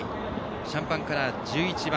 シャンパンカラー、１１番。